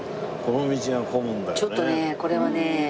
ちょっとねこれはね